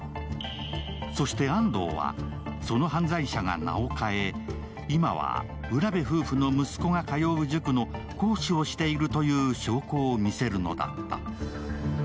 そして安藤は、その犯罪者が名を変え、今は浦部夫婦の息子が通う塾の講師をしているという証拠を見せるのだった。